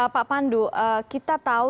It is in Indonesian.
pak pandu kita tahu